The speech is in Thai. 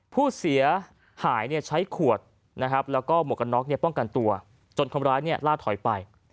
ผู้เสียหายใช้ขวดนะครับแล้วก็หมวกกันน็อกป้องกันตัวจนคนร้ายล่าถอยไป